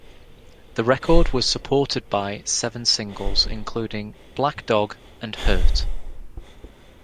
The record was supported by seven singles including "Black Dog" and "Hurt".